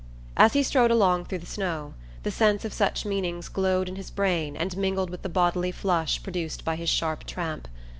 As he strode along through the snow the sense of such meanings glowed in his brain and mingled with the bodily flush produced by his sharp tramp.